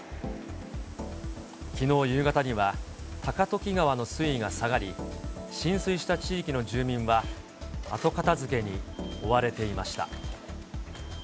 きのう夕方には、高時川の水位が下がり、浸水した地域の住民は、後片づけに追われていました。